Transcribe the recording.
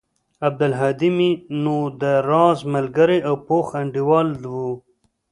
عبدالهادى مې نو د راز ملگرى او پوخ انډيوال و.